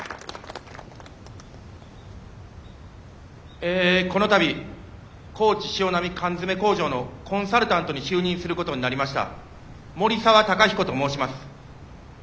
えこの度高知しおなみ缶詰工場のコンサルタントに就任することになりました森澤貴彦と申します。